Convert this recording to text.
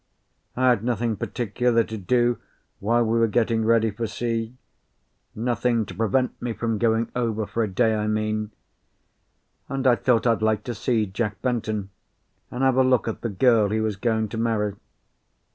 I had nothing particular to do while we were getting ready for sea; nothing to prevent me from going over for a day, I mean; and I thought I'd like to see Jack Benton, and have a look at the girl he was going to marry.